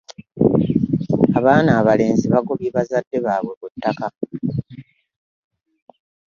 abaana abaleenzi bagobue bazadde babwe ku ttaka